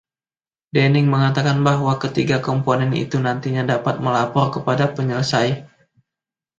Denning mengatakan bahwa ketiga komponen itu nantinya dapat melapor kepada penyelesai.